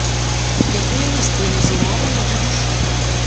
Якое месца яно займала ў яго душы?